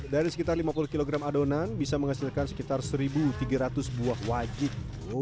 dari sekitar lima puluh kg adonan bisa menghasilkan sekitar satu tiga ratus buah wajib